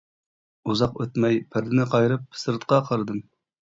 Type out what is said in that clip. ئۇزاق ئۆتمەي پەردىنى قايرىپ سىرتقا قارىدىم.